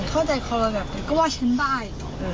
เข้าใจคนละแบบนี้ก็ว่าฉันใบ